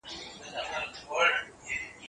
ژوند مو په خپلو لاسونو کې دی.